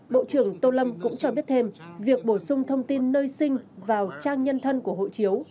bộ trưởng tô lâm cũng cho biết thêm việc bổ sung thông tin nơi sinh vào trang nhân thân của hộ chiếu